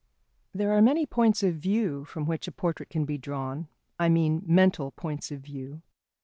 ] There are many points of view from which a portrait can be drawn I mean, mental points of view.